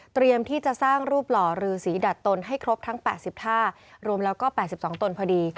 ที่จะสร้างรูปหล่อรือสีดัดตนให้ครบทั้ง๘๐ท่ารวมแล้วก็๘๒ตนพอดี